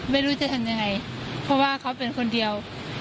ไม่รู้จะทำยังไงเพราะว่าเขาเป็นคนเดียว